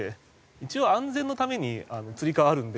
一応安全のためにつり革あるんで。